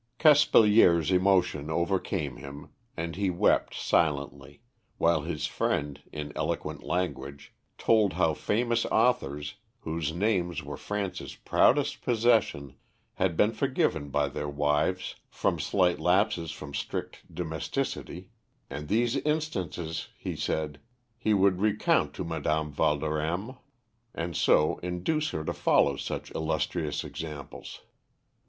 Caspilier's emotion overcame him, and he wept silently, while his friend, in eloquent language, told how famous authors, whose names were France's proudest possession, had been forgiven by their wives for slight lapses from strict domesticity, and these instances, he said, he would recount to Madame Valdorême, and so induce her to follow such illustrious examples.